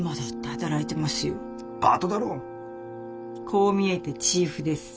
こう見えてチーフです。